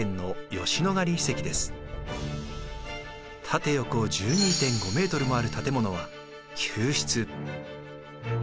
縦横１２．５ｍもある建物は宮室。